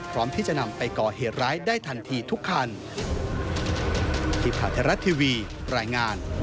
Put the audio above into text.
พร้อมที่จะนำไปก่อเหตุร้ายได้ทันทีทุกคัน